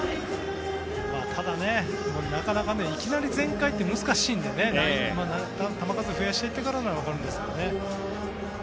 ただ、なかなかいきなり全開って難しいので球数を増やしていってからなら分かるんですけどね。